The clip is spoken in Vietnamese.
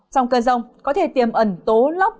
trong cơn rông có thể tiềm ẩn tố lóc